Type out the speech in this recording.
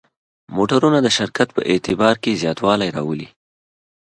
موټرونه د شرکت په اعتبار کې زیاتوالی راولي.